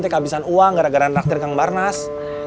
saya takut aku bisa ngambil uang gara gara traktir kang barnas